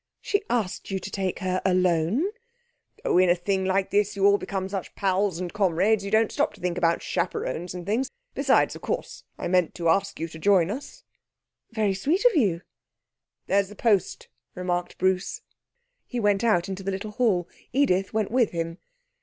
'She asked you to take her alone?' 'Oh, in a thing like this you all become such pals and comrades; you don't stop to think about chaperones and things. Besides, of course, I meant to ask you to join us.' 'Very sweet of you.' 'There's the post,' remarked Bruce. He went out into the little hall. Edith went with him.